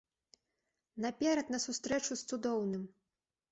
Наперад на сустрэчу з цудоўным!